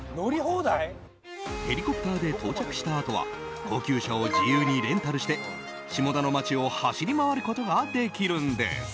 ヘリコプターで到着したあとは高級車を自由にレンタルして下田の街を走り回ることができるんです。